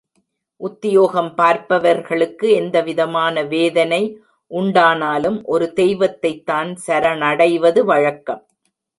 உத்தியோகம் பார்ப்பவர்களுக்கு எந்தவிதமான வேதனை உண்டானாலும் ஒரு தெய்வத்தைத்தான் சரணடைவது வழக்கம்.